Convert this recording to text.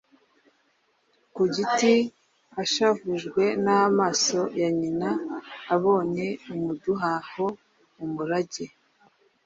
kugiti, ashavujwe n’amaso ya nyina abonye amuduhaho umurage